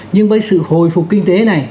nhưng với sự khôi phục kinh tế này